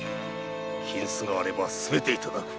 金子があればすべていただく。